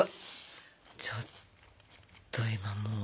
ちょっと今もう。